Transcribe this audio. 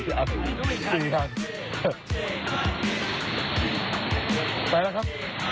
ไปแล้วครับ